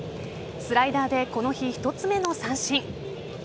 スライダーでこの日１つ目の三振。